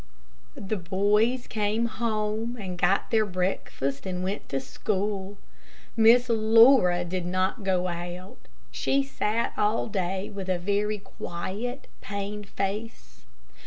The boys came home, and got their breakfast and went to school. Miss Laura did not go out. She sat all day with a very quiet, pained face.